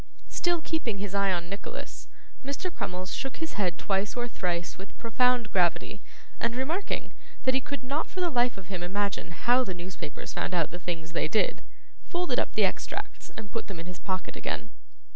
Still keeping his eye on Nicholas, Mr. Crummles shook his head twice or thrice with profound gravity, and remarking, that he could not for the life of him imagine how the newspapers found out the things they did, folded up the extracts and put them in his pocket again.